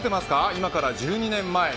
今から１２年前。